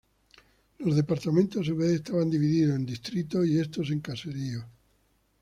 Los departamentos a su vez estaban divididos en distritos y estos en caseríos.